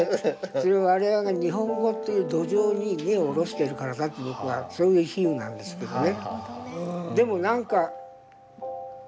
それは我々が日本語という土壌に根をおろしているからだと僕はそういう比喩なんですけどね。